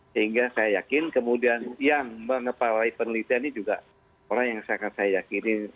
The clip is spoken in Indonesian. sehingga saya yakin kemudian yang mengepalai penelitian ini juga orang yang sangat saya yakini